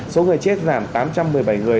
số người chết giảm tám trăm một mươi bảy người